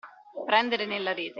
Prendere nella rete.